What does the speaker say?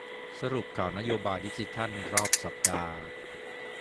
สรุปข่าวนโยบายดิจิทัลรอบสัปดาห์